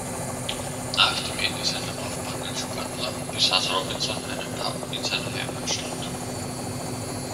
Nach dem Ende seiner Laufbahn als Sportler besaß Robinson einen Pub in seiner Heimatstadt.